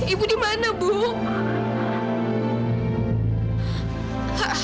ibu di mana mas